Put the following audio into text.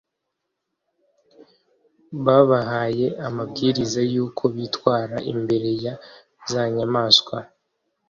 babahayeamabwiriza y’uko bitwara imbere ya za nyamaswa